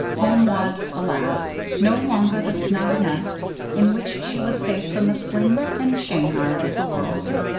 Home was, alas! no longer the snug nest in which she was safe from the slings and shanghais of the world.